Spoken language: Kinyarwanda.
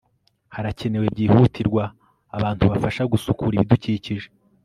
harakenewe byihutirwa abantu bafasha gusukura ibidukikije